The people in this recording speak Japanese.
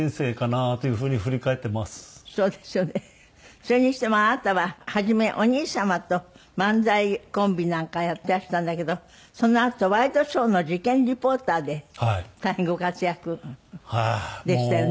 それにしてもあなたは初めお兄様と漫才コンビなんかやっていらしたんだけどそのあとワイドショーの事件リポーターで大変ご活躍でしたよね。